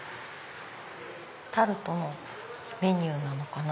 タルトのメニューなのかな。